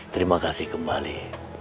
terima kasih kembali